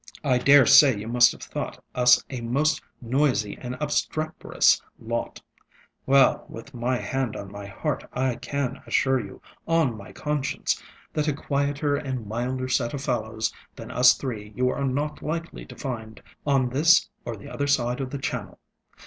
ŌĆ£I dare say you must have thought us a most noisy and obstreperous lot: well, with my hand on my heart, I can assure you, on my conscience, that a quieter and milder set of fellows than us three you are not likely to find on this or the other side the Channel.